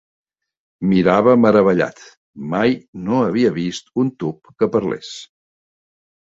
Mirava meravellat, mai no havia vist un tub que parlés.